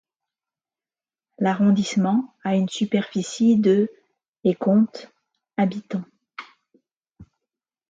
L'arrondissement a une superficie de et compte habitants.